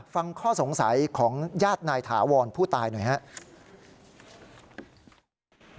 ฟังข้อสงสัยของญาตินายถาวรผู้ตายหน่อยครับ